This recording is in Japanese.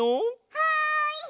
はい！